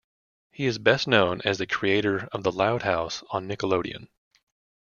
He is best known as the creator of "The Loud House" on Nickelodeon.